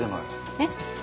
えっ？